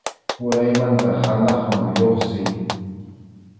Uraymanta hanaqman lluqsiy.